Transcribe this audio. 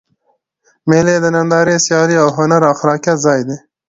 مېلې د نندارې، سیالۍ، هنر او خلاقیت ځای دئ.